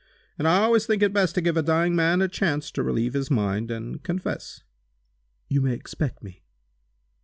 And I always think it best to give a dying man a chance to relieve his mind, and confess." "You may expect me!"